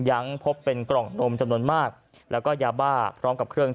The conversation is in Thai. ยังพบเป็นกล่องนมจำนวนมากแล้วก็ยาบ้าพร้อมกับเครื่อง